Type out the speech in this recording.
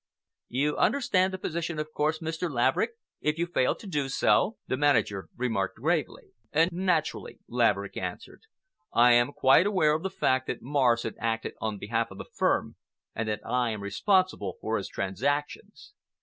"You understand the position, of course, Mr. Laverick, if you fail to do so?" the manager remarked gravely. "Naturally," Laverick answered. "I am quite aware of the fact that Morrison acted on behalf of the firm and that I am responsible for his transactions.